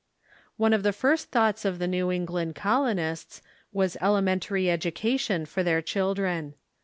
One of the first thoughts of the New England colonists was elementary education for their children.